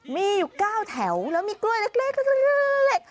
มีอยู่๙แถวแล้วมีกล้วยเล็ก